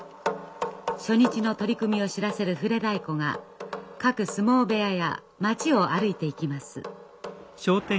初日の取組を知らせるふれ太鼓が各相撲部屋や町を歩いていきます。